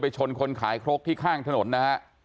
ไปชนคนขายครกที่ข้างถนนนะครับ